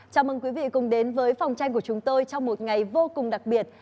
chào mừng quý vị cùng đến với phòng tranh của chúng tôi trong một ngày vô cùng đặc biệt